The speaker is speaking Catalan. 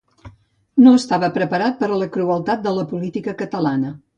No estava preparat per a la crueltat de la política catalana.